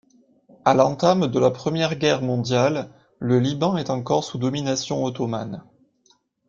À l'entame de la Première Guerre mondiale, le Liban est encore sous domination ottomane.